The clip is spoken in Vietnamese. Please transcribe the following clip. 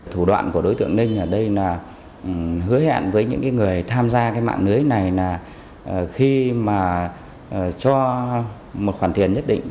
thủ đoạn của đối tượng ninh ở đây là hứa hẹn với những người tham gia cái mạng lưới này là khi mà cho một khoản tiền nhất định